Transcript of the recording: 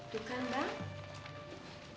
tuh kan bang